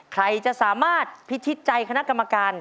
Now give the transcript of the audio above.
ใครจะสามารถพิชิตใจคณะกรรมการ